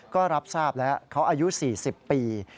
ก็รับทราบแล้วเขาอายุ๔๐ปี